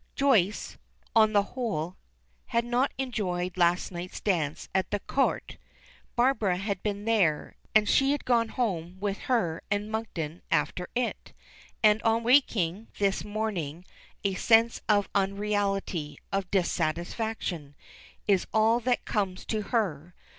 Joyce, on the whole, had not enjoyed last night's dance at the Court. Barbara had been there, and she had gone home with her and Monkton after it, and on waking this morning a sense of unreality, of dissatisfaction, is all that comes to her.